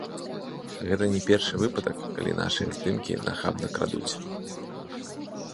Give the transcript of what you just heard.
Гэта не першы выпадак, калі нашыя здымкі нахабна крадуць.